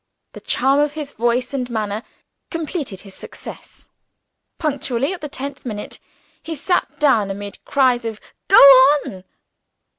The charm of his voice and manner completed his success. Punctually at the tenth minute, he sat down amid cries of "Go on."